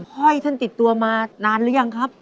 ห้อยท่านติดตัวมานานหรือยังครับ